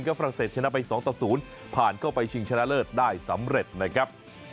ฝรั่งเศสชนะไป๒ต่อ๐ผ่านเข้าไปชิงชนะเลิศได้สำเร็จนะครับ